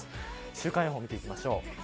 週間予報見ていきましょう。